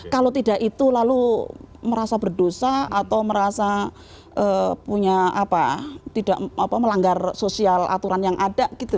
kalau tidak itu lalu merasa berdosa atau merasa punya apa tidak melanggar sosial aturan yang ada gitu